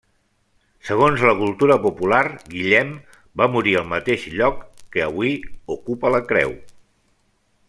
Segons la cultura popular, Guillem va morir al mateix lloc que avui ocupa la creu.